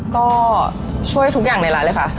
ก็ช่วยทุกอย่างในร้านเลยค่ะ